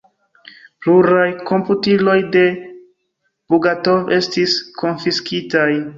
Pluraj komputiloj de Bogatov estis konfiskitaj.